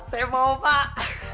saya mau pak